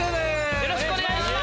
よろしくお願いします。